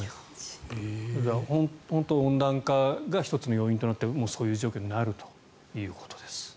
本当に温暖化が１つの要因となってそういう状況になるということです。